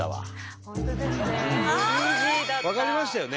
分かりましたよね？